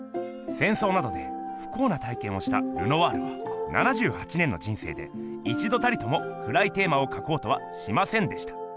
せんそうなどでふこうな体けんをしたルノワールは７８年の人生で一度たりともくらいテーマをかこうとはしませんでした。